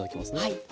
はい。